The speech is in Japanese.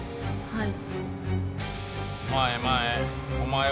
はい。